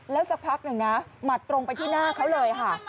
แล้วสักพักหนึ่งนะหมัดตรงไปที่หน้าเขาเลยค่ะ